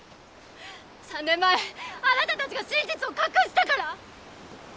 ３年前あなたたちが真実を隠したから！